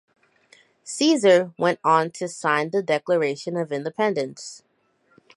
Caesar went on to sign the Declaration of Independence.